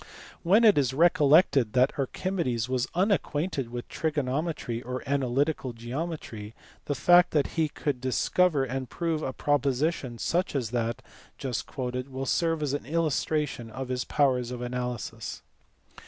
When it is recollected that Archimedes was unacquainted with trigonometry or analytical geometry, the fact that he could discover and prove a proposition such as that just quoted will serve as an illustration of his powers of analysis.